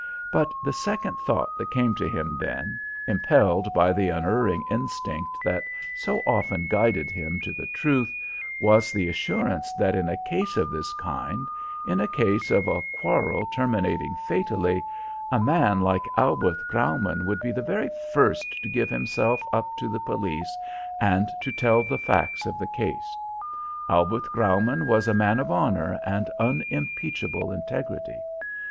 But the second thought that came to him then, impelled by the unerring instinct that so often guided him to the truth, was the assurance that in a case of this kind, in a case of a quarrel terminating fatally, a man like Albert Graumann would be the very first to give himself up to the police and to tell the facts of the case. Albert Graumann was a man of honour and unimpeachable integrity.